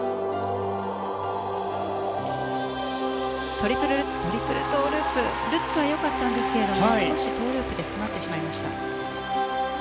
トリプルルッツトリプルトウループルッツはよかったんですが少しトウループで詰まってしまいました。